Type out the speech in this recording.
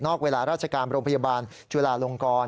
เวลาราชการโรงพยาบาลจุลาลงกร